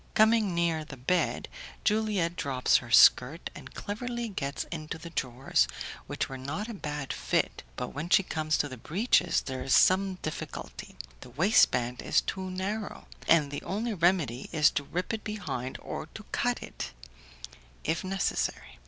Coming near the bed, Juliette drops her skirt, and cleverly gets into the drawers, which were not a bad fit, but when she comes to the breeches there is some difficulty; the waistband is too narrow, and the only remedy is to rip it behind or to cut it, if necessary.